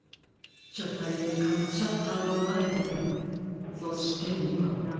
しょさいへむかうシャッターのまえでもそしていまも。